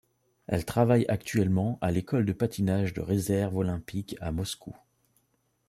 Elle travaille actuellement à l'École de patinage de réserve olympique à Moscou.